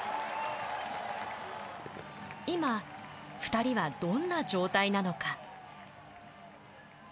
今、２人はどんな状態なのか。